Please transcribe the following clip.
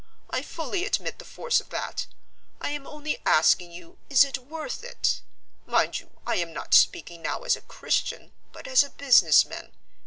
I fully admit the force of that. I am only asking you, is it worth it? Mind you, I am not speaking now as a Christian, but as a businessman.